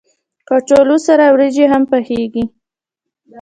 کچالو سره وريجې هم پخېږي